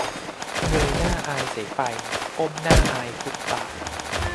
"เงยหน้าอายสายไฟ ก้มหน้าอายฟุตบาท"